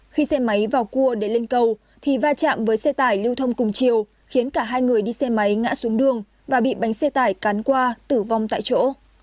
khi xe máy vào cua để lên cầu thì va chạm với xe tải lưu thông cùng chiều khiến cả hai người đi xe máy ngã xuống đường và bị bánh xe tải cán qua tử vong tại chỗ